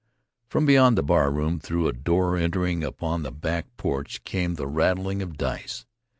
From beyond the bar room, through a door entering upon the back porch, came the rattling of dice.